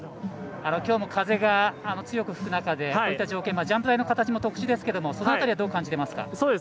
きょうも風が強く吹く中でこういった条件ジャンプ台の形も特殊ですけれどもその辺りはどう感じてますか。